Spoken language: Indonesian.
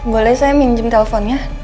boleh saya minjem teleponnya